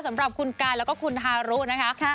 สำหรับคุณกายแล้วก็คุณฮารุนะคะ